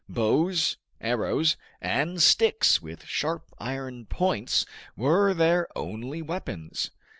Bows, arrows, and sticks with sharp iron points were their only weapons.